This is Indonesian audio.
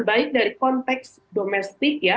baik dari konteks domestik ya